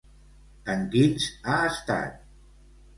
En quins ha estat?